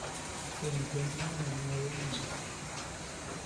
Se encuentran en el Nuevo Mundo.